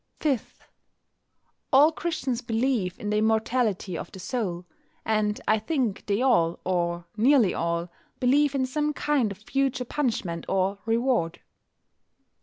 5. All Christians believe in the immortality of the soul. And I think they all, or nearly all, believe in some kind of future punishment or reward.